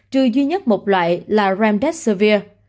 trừ duy nhất một loại là remdesivir